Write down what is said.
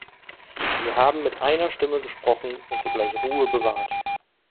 Wir haben mit einer Stimme gesprochen und zugleich Ruhe bewahrt.